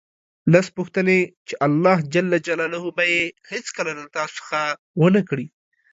لس پوښتنې چې الله ج به یې هېڅکله له تاسو څخه ونه کړي